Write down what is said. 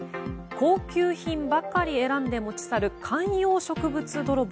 高級品ばかり選んで持ち去る観葉植物泥棒。